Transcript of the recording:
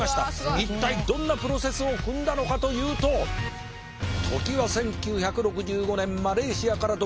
一体どんなプロセスを踏んだのかというと時は１９６５年マレーシアから独立したシンガポール。